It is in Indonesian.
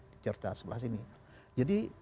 di cerca sebelah sini jadi